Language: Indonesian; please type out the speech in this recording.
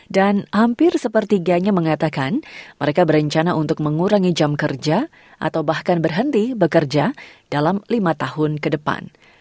dan hampir sepertiganya mengatakan mereka berencana untuk mengurangi jam kerja atau bahkan berhenti bekerja dalam lima tahun ke depan